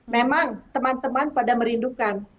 memang teman teman pada merindukan